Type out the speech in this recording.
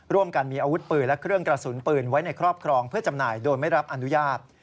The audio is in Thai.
ร่วมกันมีอาวุธปืนและเครื่องกระสุนปืนไว้ในครอบครองเพื่อจำหน่ายโดยไม่รับอนุญาต